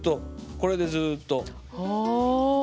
これでずっと。